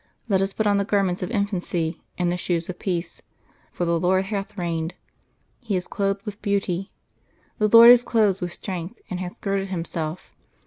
Let us put on the garments of infancy and the shoes of peace. _For the Lord hath reigned; He is clothed with beauty: the Lord is clothed with strength and hath girded Himself.